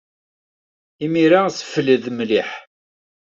Imir-a, ssefled mliḥ.